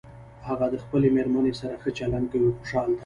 هغه د خپلې مېرمنې سره ښه چلند کوي او خوشحاله ده